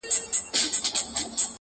o خوله دي خپله، غول په وله٫